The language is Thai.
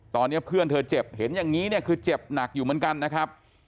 ตอนนี้เพื่อนเธอเจ็บเห็นอย่างนี้เนี่ยคือเจ็บหนักอยู่เหมือนกันนะครับ